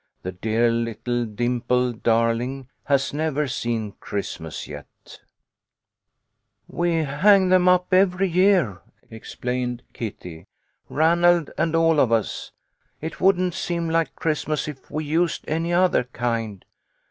The dear little dimpled darling Has never seen Christmas yeL w " We hang them up every year," explained Kitty. " Ranald and all of us. It wouldn't seem like Christmas if we used any other kind.